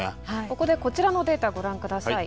ここでこちらのデータをご覧下さい。